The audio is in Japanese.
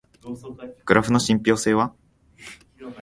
グラフの信憑性は？